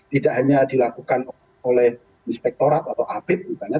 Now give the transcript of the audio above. tidak hanya dilakukan oleh inspektorat atau abib misalnya